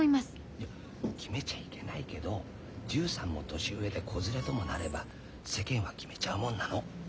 いや決めちゃいけないけど１３も年上で子連れともなれば世間は決めちゃうもんなの。